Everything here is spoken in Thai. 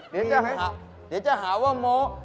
เดี๋ยวจะหาว่าโมะ